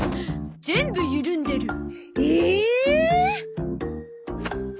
全部ゆるんでる。